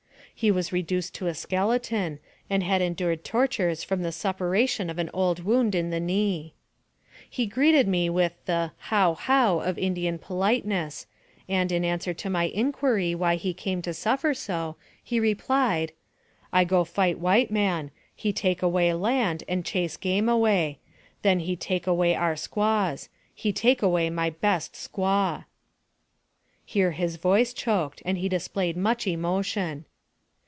He was reduced to a skeleton, and had endured tortures from the suppuration of an old wound in the knee. He greeted me with the "How! how!" of Indian politeness, and, in answer to my inquiry why he came to suffer so, replied :" I go to fight white man. He take away land, and chase game away ; then he take away our squaws. He take away my best squaw." 13 146 NARRATIVE OF CAPTIVITY Here his voice choked, and he displayed much emo tion.